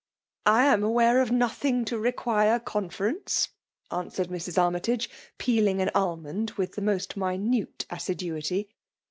I am aware of nothing to reqwire eon fierenee,'* answered Mrs. Armytage, peeling an ahnond with the most minute assiduity.